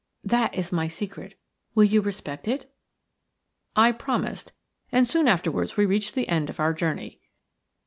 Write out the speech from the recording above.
That is my secret. Will you respect it?" I promised, and soon afterwards we reached the end of our journey.